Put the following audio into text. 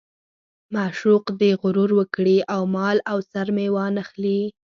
معشوق دې غرور وکړي او مال او سر مې وانه خلي.